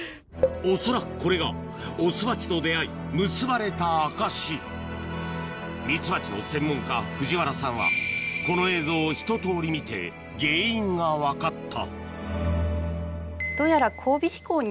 恐らくこれがオスバチと出会い結ばれた証しミツバチの専門家藤原さんはこの映像をひととおり見て原因が分かった